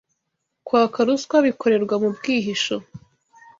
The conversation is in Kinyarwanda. kwaka ruswa bikorerwa m’ umbwihisho